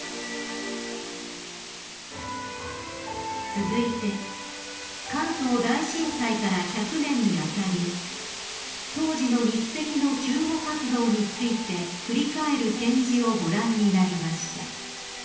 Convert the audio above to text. ［続いて関東大震災から１００年に当たり当時の日赤の救護活動について振り返る展示をご覧になりました］